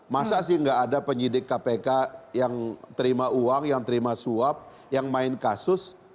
masa sih nggak ada penyidik kpk yang terima uang yang terima suap yang main kasus